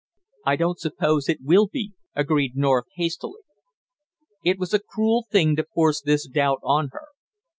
"I don't suppose it will be," agreed North hastily. It was a cruel thing to force this doubt on her.